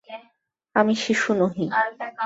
আমি শিশু নহি।